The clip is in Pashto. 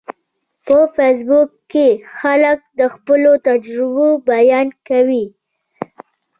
په فېسبوک کې خلک د خپلو تجربو بیان کوي